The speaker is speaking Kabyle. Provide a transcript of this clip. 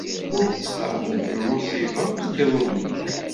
Ur d-tettqerrib lmuṣiba aqiḍun-ik.